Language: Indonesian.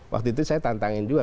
waktu itu saya tantangan juga